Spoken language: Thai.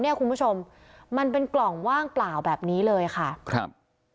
คุณผู้ชมมันเป็นกล่องว่างเปล่าแบบนี้เลยค่ะครับ